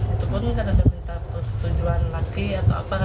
itu pun karena saya minta persetujuan laki atau apa